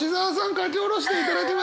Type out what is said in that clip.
書き下ろしていただきました！